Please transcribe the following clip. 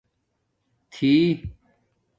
تھئ